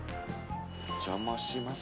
お邪魔します